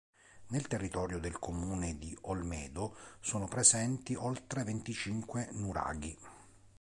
Nel territorio del comune di Olmedo sono presenti oltre venticinque nuraghi.